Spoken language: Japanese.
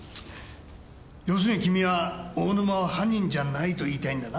要するに君は大沼は犯人じゃないと言いたいんだな？